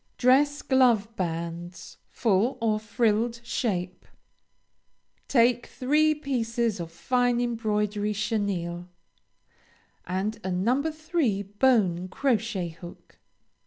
DRESS GLOVE BANDS; FULL OR FRILLED SHAPE. Take three pieces of fine embroidery chenille, and a No. 3 bone crochet hook.